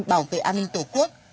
bảo vệ an ninh tổ quốc